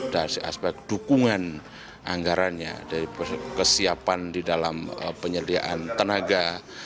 dari aspek dukungan anggarannya dari kesiapan di dalam penyediaan tenaga